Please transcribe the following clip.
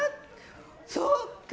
そっか。